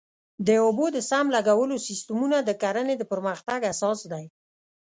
د اوبو د سم لګولو سیستمونه د کرنې د پرمختګ اساس دی.